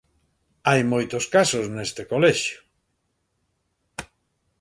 Hai moitos casos neste colexio.